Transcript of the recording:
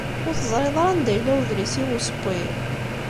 Ur teẓriḍ ara anda yella udlis-iw n usewwi?